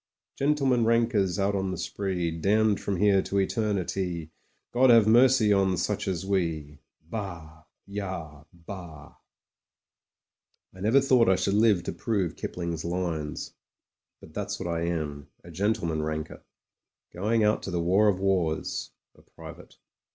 4t Gentlemen rankers out on the spree, Damned from here to eternity : God have mercy on such as we. Bah! Yah! Bah!" I never thought I should live to prove Kipling's lines. But that's what I am — a gentleman ranker; going out to the war of wars — b, private.